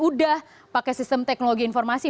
udah pakai sistem teknologi informasi